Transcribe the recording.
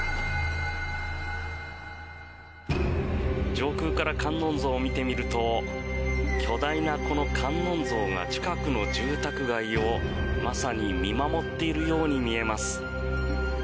上空から観音像を見てみると巨大なこの観音像が近くの住宅街をまさに見守っているように見えます。